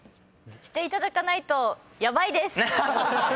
していただかないとヤバいです。